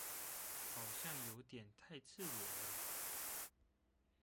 好像有點太赤裸了